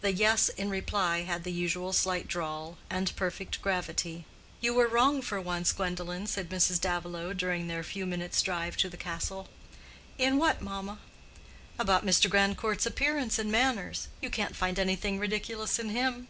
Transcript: The "yes" in reply had the usual slight drawl and perfect gravity. "You were wrong for once, Gwendolen," said Mrs. Davilow, during their few minutes' drive to the castle. "In what, mamma?" "About Mr. Grandcourt's appearance and manners. You can't find anything ridiculous in him."